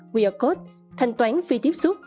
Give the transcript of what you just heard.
we are code thanh toán phi tiếp xúc